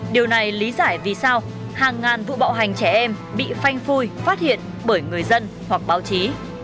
điều này lý giải vì sao hàng ngàn vụ bạo hành trẻ em bị phanh phui phát hiện bởi người dân hoặc báo chí